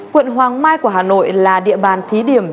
quận hoàng mai của hà nội là địa bàn thí điểm